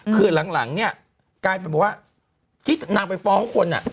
คือหลังเนี่ยกลายเป็นว่าทฤษย์นางไปฟ้องคนอะ